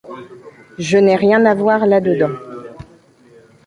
Je n'ai rien à voir là dedans.